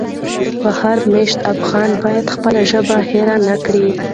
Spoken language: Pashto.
بهر مېشتي افغانان باید خپله ژبه هېره نه کړي.